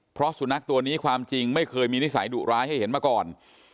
เพราะสุนัขตัวนี้ความจริงไม่เคยมีนิสัยดุร้ายให้เห็นมาก่อน